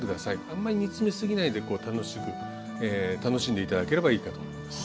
あんまり煮詰め過ぎないで楽しんで頂ければいいかと思います。